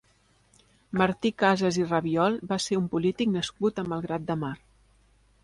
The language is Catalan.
Martí Casas i Rabiol va ser un polític nascut a Malgrat de Mar.